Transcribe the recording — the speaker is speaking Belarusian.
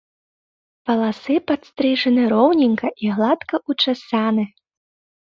Валасы падстрыжаны роўненька і гладка ўчасаны.